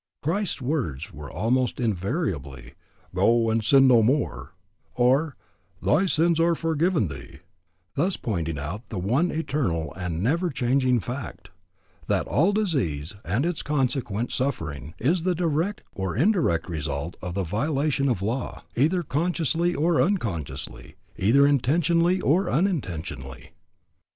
Christ's words were almost invariably, Go and sin no more, or, thy sins are forgiven thee, thus pointing out the one eternal and never changing fact, that all disease and its consequent suffering is the direct or the indirect result of the violation of law, either consciously or unconsciously, either intentionally or unintentionally.